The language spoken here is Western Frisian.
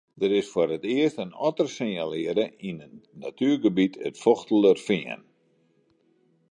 Der is foar it earst in otter sinjalearre yn natuergebiet it Fochtelerfean.